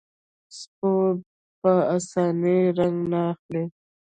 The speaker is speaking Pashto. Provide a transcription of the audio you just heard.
سپور په اسانۍ رنګ نه اخلي.